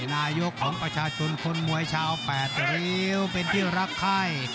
นายกของประชาชนคนมวยชาวแปดริ้วเป็นที่รักไข้